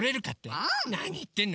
なにいってんの？